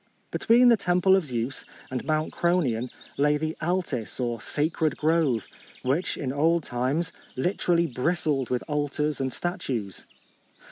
Between the temple of Zeus and Mount Kronion lay the altis or sacred grove, which, in old times, literally bristled with altars and statues.